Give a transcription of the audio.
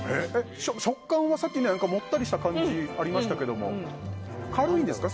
食感はさっきのはもったりした感じがありましたけど軽いんですか？